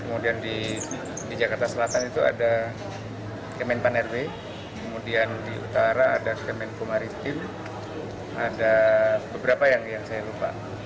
kemudian di jakarta selatan itu ada kemen panerwe kemudian di utara ada kemen kumaritim ada beberapa yang saya lupa